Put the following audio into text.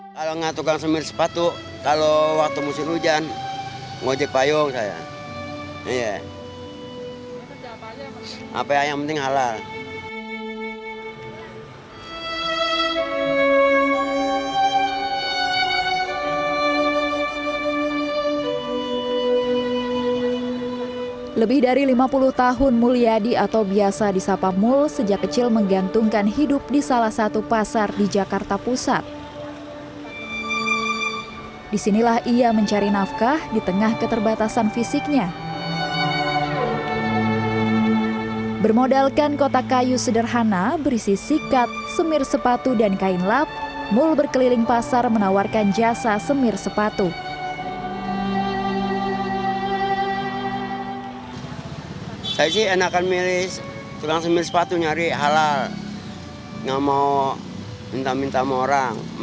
ketika waktu musim hujan saya mengajak payung